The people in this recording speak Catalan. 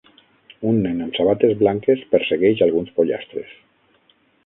Un nen amb sabates blanques persegueix alguns pollastres